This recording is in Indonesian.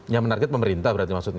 yang menarget pemerintah berarti maksudnya